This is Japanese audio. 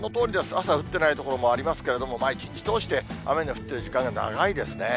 朝降ってない所もありますけれども、一日通して雨の降ってる時間が長いですね。